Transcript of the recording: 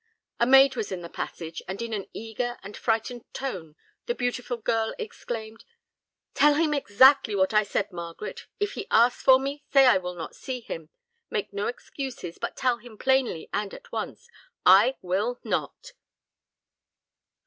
A maid was in the passage, and in an eager and frightened tone, the beautiful girl exclaimed, "Tell him exactly what I said, Margaret. If he asks for me, say I will not see him. Make no excuses, but tell him plainly and at once, I will not."